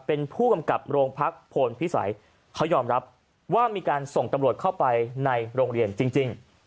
เป็นผู้กำกับโรงพักโพนพิสัยเขายอมรับว่ามีการส่งตำรวจเข้าไปในโรงเรียนจริง